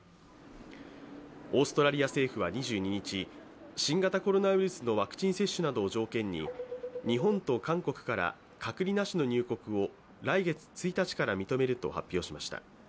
オーストラリア政府は２２日、新型コロナウイルスのワクチン接種などを条件に日本と韓国から隔離なしの入国を来月１日から認めると発表しました。